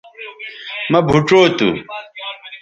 مہ بھوچو تھو